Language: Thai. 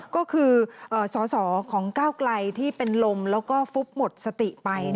ก็คือสอสอของก้าวไกลที่เป็นลมแล้วก็ฟุบหมดสติไป